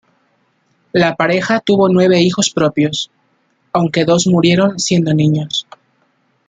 La pareja tuvo nueve hijos propios, aunque dos murieron siendo niños.